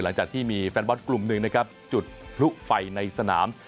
หลังจากที่มีแฟนบอลกลุ่มหนึ่งนะครับจุดพลุไฟในสนาม